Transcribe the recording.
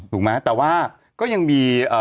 ถูกไหมแต่ว่าก็ยังมี